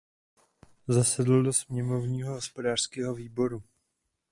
Zasedl do sněmovního hospodářského výboru.